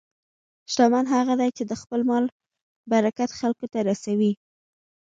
شتمن هغه دی چې د خپل مال برکت خلکو ته رسوي.